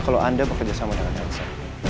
kalau anda bekerjasama dengan elsa